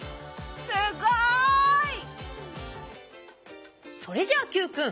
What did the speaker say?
すごい！それじゃＱくん